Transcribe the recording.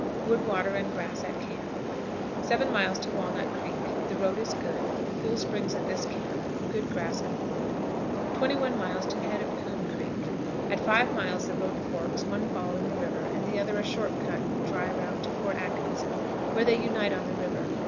Wood, water, and grass at camp. 7. Walnut Creek. The road is good. Cool springs at this camp; good grass and wood. 21. Head of Coon Creek. At five miles the road forks, one following the river, the other a "short cut" "dry route" to Fort Atkinson, where they unite on the river.